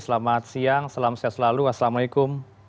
selamat siang salam sejahtera selalu wassalamu alaikum